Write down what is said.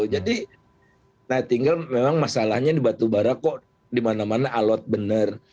jadi tinggal memang masalahnya di batubara kok di mana mana alat benar